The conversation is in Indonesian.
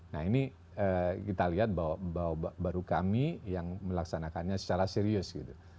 nah ini kita lihat bahwa baru kami yang melaksanakannya secara serius gitu